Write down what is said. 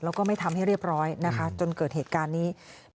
แล้วก็ไม่ทำให้เรียบร้อยนะคะจนเกิดเหตุการณ์นี้